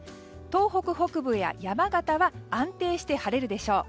東北北部や山形は安定して晴れるでしょう。